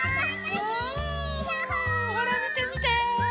ほらみてみて。